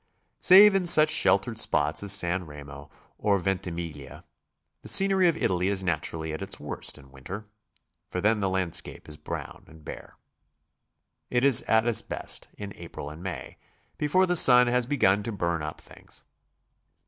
14 GOING ABROAD? Save in such sheltered spots as San Remo or Venti miglia, the scenery of Italy is naturally at its worst in winter, for then the landscape is brown and bare. It is at its best in April and May, before the sun has begun to burn up things.